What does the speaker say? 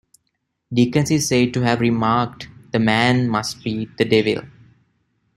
Dickens is said to have remarked, "The man must be the devil".